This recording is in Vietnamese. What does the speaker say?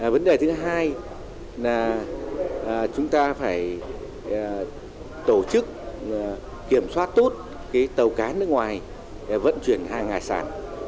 vấn đề thứ hai là chúng ta phải tổ chức kiểm soát tốt tàu cá nước ngoài vận chuyển hàng hải sản